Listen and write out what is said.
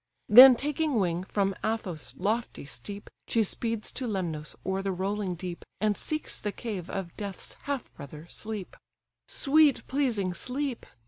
Then taking wing from Athos' lofty steep, She speeds to Lemnos o'er the rolling deep, And seeks the cave of Death's half brother, Sleep. "Sweet pleasing Sleep!